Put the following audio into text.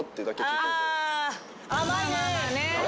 「甘いね」？